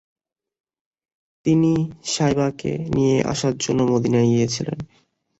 তিনি শায়বাকে নিয়ে আসার জন্য মদিনায় গিয়েছিলেন।